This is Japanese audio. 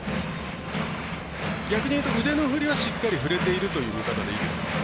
逆に言うと腕の振りはしっかりと振れているという見方でいいですか？